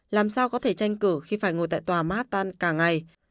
làm sao có thể tranh cử khi phải ngồi tại tòa mát tan cả ngày